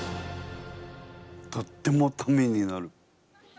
とってもタメになる。